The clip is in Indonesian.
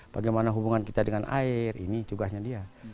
bagaimana hubungan kita dengan air ini tugasnya dia